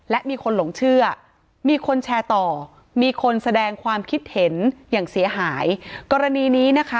และมีคนหลงเชื่อมีคนแชร์ต่อมีคนแสดงความคิดเห็นอย่างเสียหายกรณีนี้นะคะ